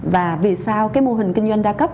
và vì sao cái mô hình kinh doanh đa cấp